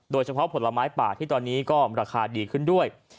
ผลไม้ป่าที่ตอนนี้ก็ราคาดีขึ้นด้วย